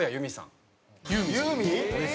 ユーミン？